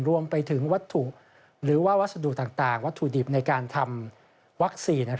รวมถึงวัตถุหรือว่าวัสดุต่างวัตถุดิบในการทำวัคซีน